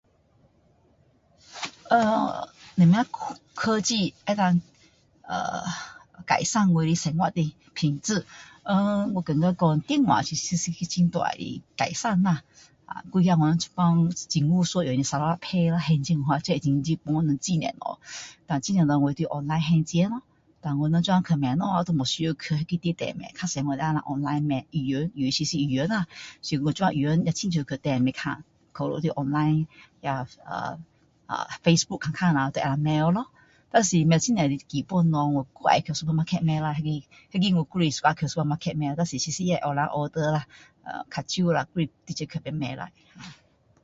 [ehh]什么科技能够[ehh]改善我的生活的品质，[ehh]我常常讲电话是一个很大的改善咯。[ahh]还有现在就政府所用sarawak pay咯，还钱 [unintelligible] 真的帮忙很多东西。但很多东西我就是online还钱咯，但我们这样去买东西，就不必去那地点买。较多我们可以online买，衣服啦其是衣服啦。想说现在衣服也没有去店里看。多数是online, 那[ahh][ahh]facebook看看啦，就能买了咯。但是买很多基本东西，我还去supermarket买啦，那个那个我还是喜欢去supermarket买啦。但是其实也是online order啦，较少啦就直接去那买啦。